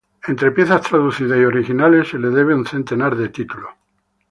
Entre piezas traducidas y originales se le debe un centenar de títulos.